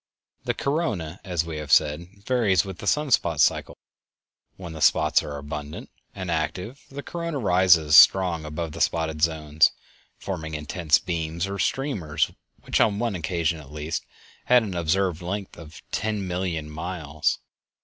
The corona, as we have said, varies with the sun spot cycle. When the spots are abundant and active the corona rises strong above the spotted zones, forming immense beams or streamers, which on one occasion, at least, had an observed length of _ten million miles.